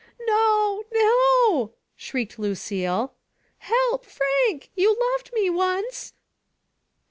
"No, no I" shrieked Lucille. "Help, Frank! You loved me once."